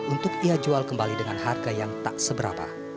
untuk ia jual kembali dengan harga yang tak seberapa